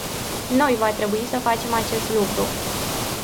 Noi va trebui să facem acest lucru.